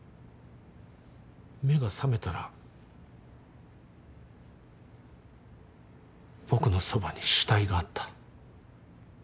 目が覚めたら僕のそばに死体があった。